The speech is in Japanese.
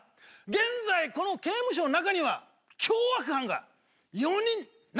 現在この刑務所の中には凶悪犯が４人中に入っている。